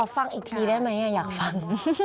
ฟังอีกทีได้ไหมอยากฟัง